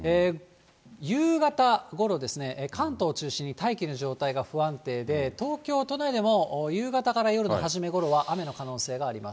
夕方ごろですね、関東中心に大気の状態が不安定で、東京都内でも夕方から夜の初めごろは雨の可能性があります。